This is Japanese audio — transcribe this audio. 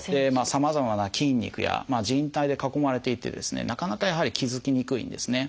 さまざまな筋肉やじん帯で囲まれていてですねなかなかやはり気付きにくいんですね。